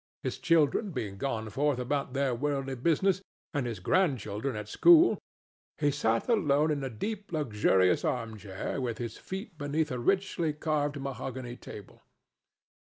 His children being gone forth about their worldly business and his grandchildren at school, he sat alone in a deep luxurious arm chair with his feet beneath a richly carved mahogany table.